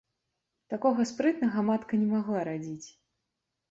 Такога спрытнага матка не магла радзіць.